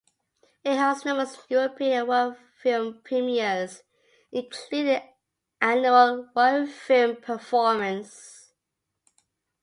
It hosts numerous European and world film premieres including the annual Royal Film Performance.